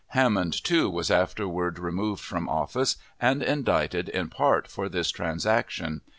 Hammond, too, was afterward removed from office, and indicted in part for this transaction.